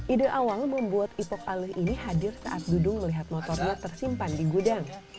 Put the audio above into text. ide awal membuat ipok aluh ini hadir saat dudung melihat motornya tersimpan di gudang